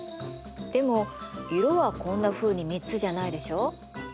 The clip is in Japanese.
でも色はこんなふうに３つじゃないでしょう？